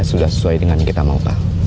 sudah sesuai dengan yang kita mau pak